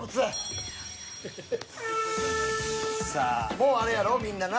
もうあれやろみんなな。